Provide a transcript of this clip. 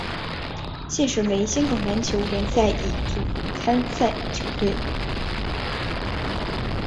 现时为香港篮球联赛乙组参赛球队。